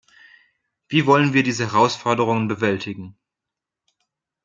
Wie wollen wir diese Herausforderung bewältigen?